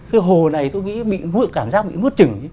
cái hồ này tôi nghĩ cảm giác bị nuốt chửng